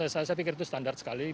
saya pikir itu standar sekali